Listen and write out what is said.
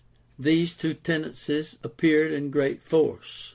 These two tendencies soon appeared in great force.